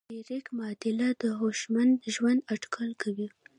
د ډریک معادله د هوشمند ژوند اټکل کوي.